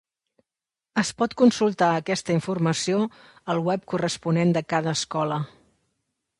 Es pot consultar aquesta informació al web corresponent de cada escola.